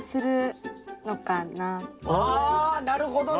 あなるほどね！